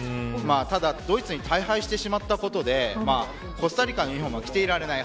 ただドイツに大敗してしまったことでコスタリカのユニホームは着ていられない。